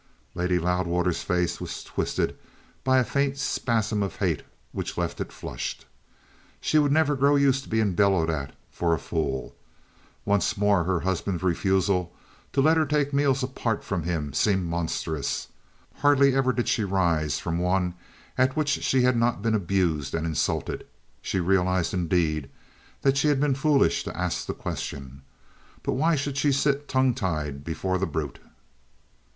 Lady Loudwater's face was twisted by a faint spasm of hate which left it flushed. She would never grow used to being bellowed at for a fool. Once more her husband's refusal to let her take her meals apart from him seemed monstrous. Hardly ever did she rise from one at which she had not been abused and insulted. She realized indeed that she had been foolish to ask the question. But why should she sit tongue tied before the brute?